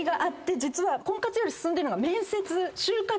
実は婚活より進んでるのが面接。